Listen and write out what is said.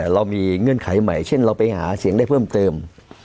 เรามีเงื่อนไขใหม่เช่นเราไปหาเสียงได้เพิ่มเติม